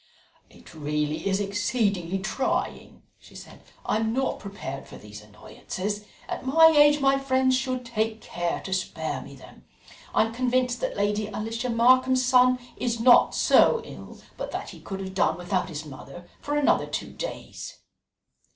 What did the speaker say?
"It really is exceedingly trying," she said. "I am not prepared for these annoyances. At my age my friends should take care to spare me them. I am convinced that Lady Alicia Markham's son is not so ill but that he could have done without his mother for another two days."